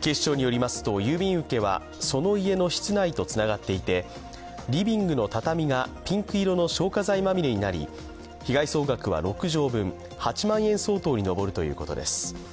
警視庁によりますと、郵便受けはその家の室内とつながっていて、リビングの畳みがピンク色の消火剤まみれになり、被害総額は６畳分、８万円相当に上るということです。